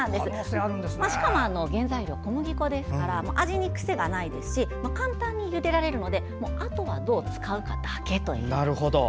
しかも、原材料は小麦粉ですから味にくせがなく簡単にゆでられるのであとはどう使うかだけという。